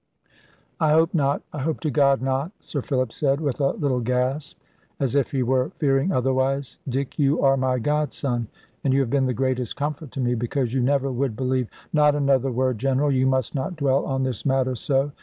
"I hope not I hope to God, not," Sir Philip said, with a little gasp, as if he were fearing otherwise: "Dick, you are my godson, and you have been the greatest comfort to me; because you never would believe " "Not another word, General. You must not dwell on this matter so.